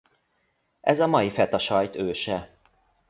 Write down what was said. Ez a mai Feta sajt őse.